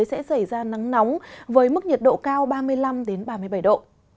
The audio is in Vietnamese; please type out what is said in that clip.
sẽ xảy ra nắng nóng với mức nhiệt độ cao ba mươi năm ba mươi bảy độ